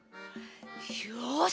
よし！